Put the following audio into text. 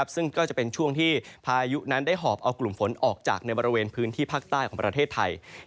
ซึ่งก็จะเป็นช่วงที่พายุนั้นได้หอบเอากลุ่มฝนออกจากในบริเวณพื้นที่ภาคใต้ของประเทศไทย